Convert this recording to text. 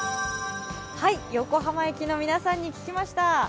横浜駅の皆さんに聞いてみました。